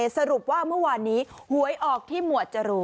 สรุปว่าวันนี้หวยออกที่มวัดจรูล